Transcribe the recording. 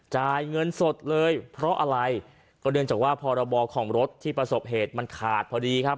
จ่ายเงินสดเลยเพราะอะไรก็เนื่องจากว่าพรบของรถที่ประสบเหตุมันขาดพอดีครับ